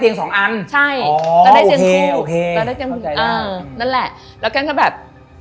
นั่นแหละแล้วก็แกแบบ